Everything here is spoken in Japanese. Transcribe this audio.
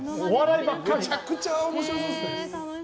めちゃくちゃ面白そうですね。